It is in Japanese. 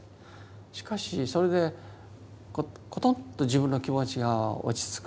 しかしそれでコトっと自分の気持ちが落ち着くとかね